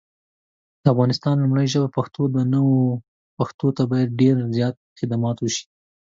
د افغانستان لومړی ژبه پښتو ده نو پښتو ته باید دیر زیات خدمات وشي